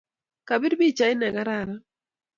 Kapir pichait ne kararan